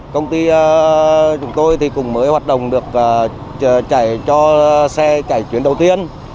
công ty chúng tôi thì cũng mới hoạt động được chạy cho xe chạy chuyến đầu tiên